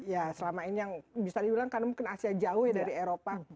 ya selama ini yang bisa dibilang karena mungkin asia jauh ya dari eropa